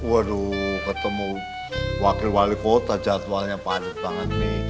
waduh ketemu wakil wali kota jadwalnya padat banget mi